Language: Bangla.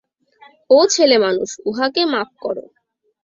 ও ছেলেমানুষ, উহাকে মাপ করো।